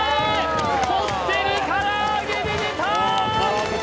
こってり唐揚げで出たー！